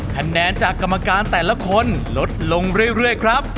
คะแนนจากกรรมการแต่ละคนลดลงเรื่อยครับ